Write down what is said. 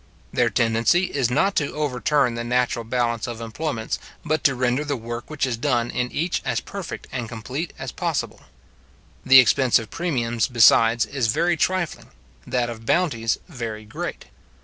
Their tendency is not to overturn the natural balance of employments, but to render the work which is done in each as perfect and complete as possible. The expense of premiums, besides, is very trifling, that of bounties very great.